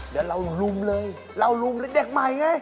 เดี๋ยวเราลุมเลยเรารุมเด็กใหม่ไง